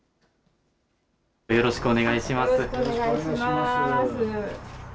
よろしくお願いします。